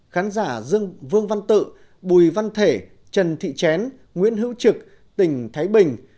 khán giả dương vương văn tự bùi văn thể trần thị chén nguyễn hữu trực tỉnh thái bình